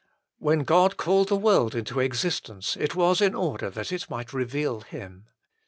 When God called the world into existence it was in order that it might reveal Him.